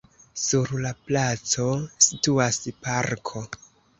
Sur la placo situas parko.